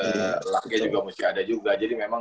lelaknya juga mesti ada juga jadi memang